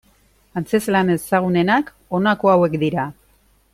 Antzezlan ezagunenak honako hauek dira.